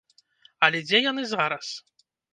Але дзе яны зараз?